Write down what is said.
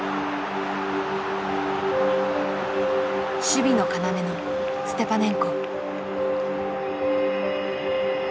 守備の要のステパネンコ。